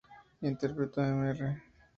Interpretó a Mr.